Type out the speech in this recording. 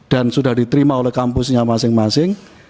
dan sudah diterima oleh kampus ini